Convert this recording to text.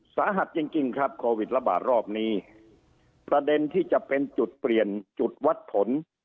สาหัสจริงจริงครับโควิดระบาดรอบนี้ประเด็นที่จะเป็นจุดเปลี่ยนจุดวัดผล